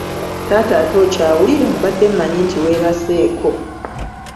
Taata ate okyawulira, mbadde mmanyi nti weebaseeko.